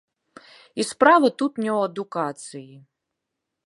І справа тут не ў адукацыі.